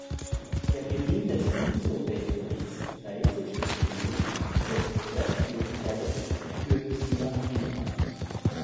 Der Gewinn des "Isobel Briggs Reisestipendium" des Radcliffe College führte sie nach England.